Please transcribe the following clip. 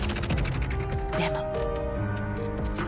でも